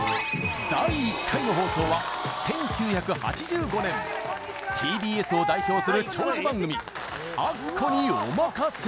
第１回の放送は１９８５年ＴＢＳを代表する長寿番組「アッコにおまかせ！」